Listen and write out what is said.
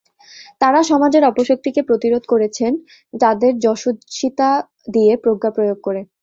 তাঁরা সমাজের অপশক্তিকে প্রতিরোধ করেছেন তাঁদের যশস্বিতা দিয়ে প্রজ্ঞা প্রয়োগ করে।